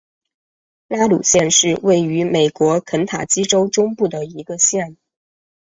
拉鲁县是位于美国肯塔基州中部的一个县。